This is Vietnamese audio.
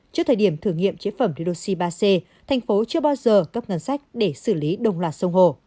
trước thời điểm thử nghiệm chế phẩm redoxi ba c thành phố chưa bao giờ cấp ngân sách để xử lý đồng loạt sông hồ